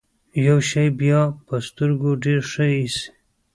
يو شی بيا په سترګو ډېر ښه اېسي.